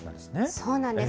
そうなんです。